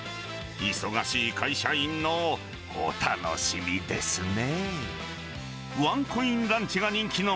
忙しい会社員のお楽しみですね。